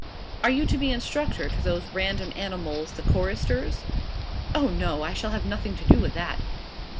"Are you to be instructor to those random animals, the choristers?" "Oh no: I shall have nothing to do with that."